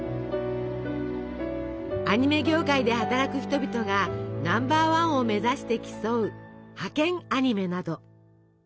アニメ業界で働く人々がナンバーワンを目指して競う「ハケンアニメ！」など。